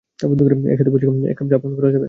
একসাথে বসে এক কাপ চা পান করা যাবে?